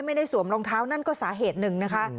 สวมรองเท้านั่นก็สาเหตุหนึ่งนะคะ